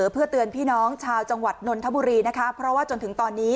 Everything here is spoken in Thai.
เพื่อเตือนพี่น้องชาวจังหวัดนนทบุรีนะคะเพราะว่าจนถึงตอนนี้